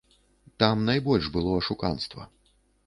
Там найбольш было ашуканства.